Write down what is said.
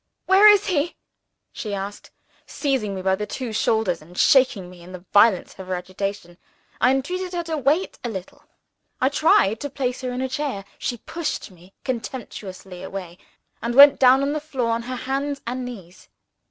"Where is he?" she asked, seizing me by the two shoulders, and shaking me in the violence of her agitation. I entreated her to wait a little; I tried to place her in a chair. She pushed me contemptuously away, and went down on the floor on her hands and knees.